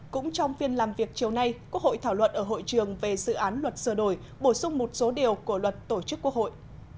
cũng trong phiên làm việc chiều nay quốc hội thảo luận ở hội trường về dự án luật sửa đổi bổ sung một số điều của luật tổ chức quốc hội